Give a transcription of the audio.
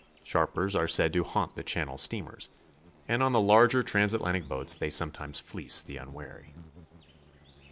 Sharpers are said to haunt the Channel steamers, and on the larger trans Atlantic boats they sometimes fleece the unwary.